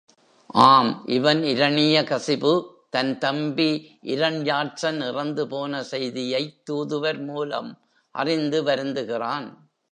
ஆம், இவன் இரணியகசிபு தன் தம்பி இரண்யாட்சன் இறந்து போன செய்தியைத் தூதர் மூலம் அறிந்து வருந்துகிறான்.